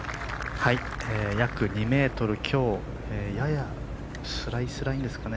約２ｍ強やや、スライスラインですかね。